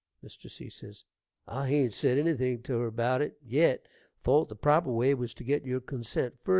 Mr. C. I hain't said anything to her about it yet, thought the proper way was to get your consent first.